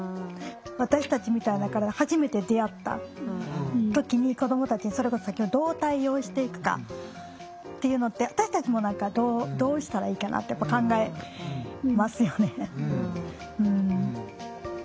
私たちみたいな体初めて出会った時に子どもたちにそれこそどう対応していくかっていうのって私たちも何かどうしたらいいかなってやっぱ考えますよね。